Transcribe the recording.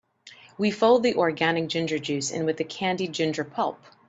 We fold the organic ginger juice in with the candied ginger pulp.